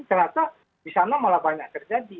ternyata disana malah banyak terjadi